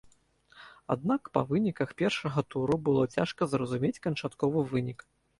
Аднак па выніках першага туру было цяжка зразумець канчатковы вынік.